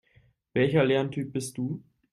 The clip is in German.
Welcher Lerntyp bist du?